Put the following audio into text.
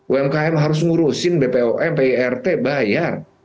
umkm harus ngurusin bpom pirt bayar